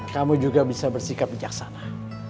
kamu juga bisa bersikap bijaksana